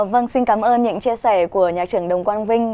vâng xin cảm ơn những chia sẻ của nhà trưởng đồng quang vinh